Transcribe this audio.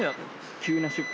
急な出費？